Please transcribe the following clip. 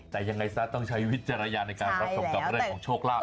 แต่ยังไงซะต้องใช้วิจารณญาณในการรับชมกับเรื่องของโชคลาภ